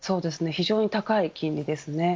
非常に高い金利ですね。